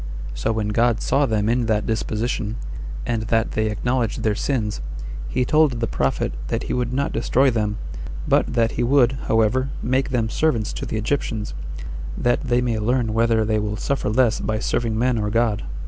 So when God saw them in that disposition, and that they acknowledge their sins, he told the prophet that he would not destroy them, but that he would, however, make them servants to the Egyptians, that they may learn whether they will suffer less by serving men or God.